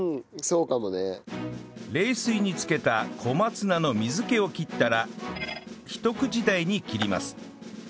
冷水につけた小松菜の水気を切ったらひと口大に切ります